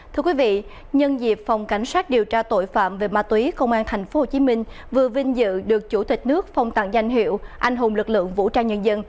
thưa quý vị nhân dịp phòng cảnh sát điều tra tội phạm về ma túy công an tp hcm vừa vinh dự được chủ tịch nước phong tặng danh hiệu anh hùng lực lượng vũ trang nhân dân